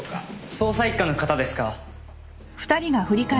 捜査一課の方ですか？